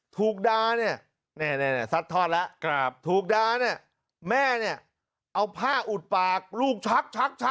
ถูกดาเนี่ยแม่เนี่ยเอาผ้าอุดปากลูกชัก